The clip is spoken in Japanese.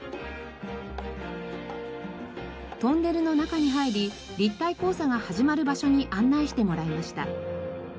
トンネルの中に入り立体交差が始まる場所に案内してもらいました。